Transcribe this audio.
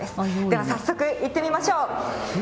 では早速行ってみましょう。